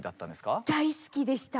大好きでした！